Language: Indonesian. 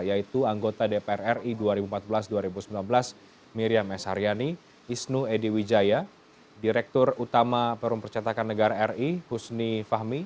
yaitu anggota dpr ri dua ribu empat belas dua ribu sembilan belas miriam s haryani isnu edy wijaya direktur utama perum percetakan negara ri husni fahmi